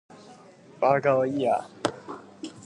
Several purposes are suggested for the unique structure.